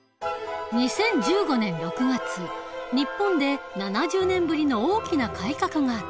２０１５年６月日本で７０年ぶりの大きな改革があった。